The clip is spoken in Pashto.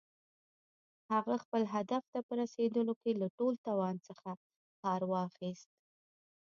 هغه خپل هدف ته په رسېدلو کې له ټول توان څخه کار واخيست.